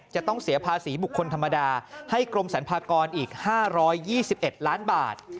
จะต้องเสียภาษีบุคคลธรรมดาให้กรมสรรพากรอีก๕๒๑ล้านบาท